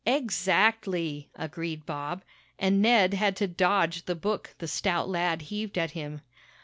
"Exactly!" agreed Bob, and Ned had to dodge the book the stout lad heaved at him.